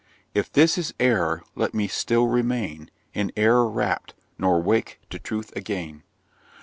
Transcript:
If this is error, let me still remain In error wrapp'd nor wake to truth again!